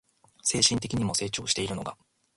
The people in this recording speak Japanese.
精神的にも成長しているのが